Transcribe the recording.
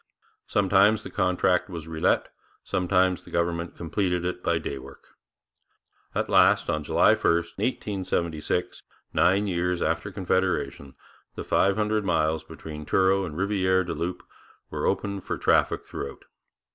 Sometimes the contract was relet, sometimes the government completed it by day work. At last, on July 1, 1876, nine years after Confederation, the five hundred miles between Truro and Rivière du Loup were opened for traffic throughout.